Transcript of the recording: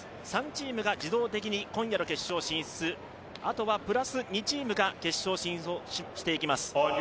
３チームが自動的に今夜の決勝進出、あとはプラス２チームが決勝進出をしていきます。